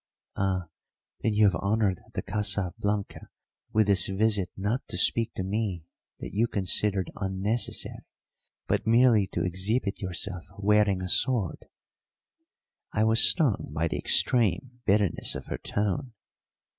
"Ah, then you have honoured the Casa Blanca with this visit not to speak to me that you considered unnecessary but merely to exhibit yourself wearing a sword!" I was stung by the extreme bitterness of her tone.